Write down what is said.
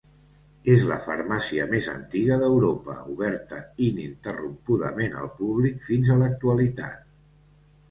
És la farmàcia més antiga d’Europa oberta ininterrompudament al públic fins a l'actualitat.